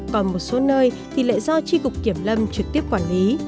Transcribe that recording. còn một số nơi thì lại do tri cục kiểm lâm trực tiếp quản lý